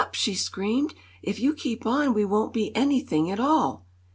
she screamed; "if you keep on, we won't be anything at all!"